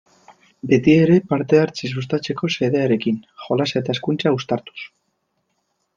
Beti ere parte-hartzea sustatzeko xedearekin, jolasa eta hezkuntza uztartuz.